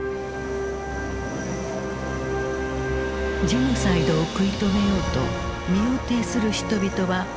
ジェノサイドを食い止めようと身をていする人々は確かにいた。